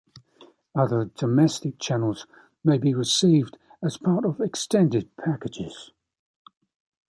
Other 'domestic' channels may be received as part of extended packages.